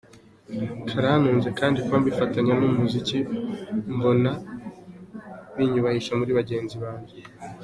Karantunze kandi kuba mbifatanya n’umuziki ahubwo mbona binyubahisha muri bagenzi banjye”.